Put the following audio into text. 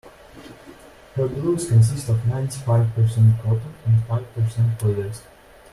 Her blouse consists of ninety-five percent cotton and five percent polyester.